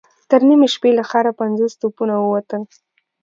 تر نيمې شپې له ښاره پنځوس توپونه ووتل.